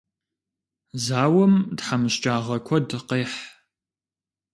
Зауэм тхьэмыщкӏагъэ куэд къехь.